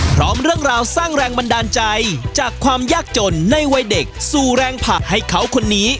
พร้อมเรื่องราวสร้างแรงบันดาลใจจากความยากจนในวัยเด็กสู่แรงผักให้เขาคนนี้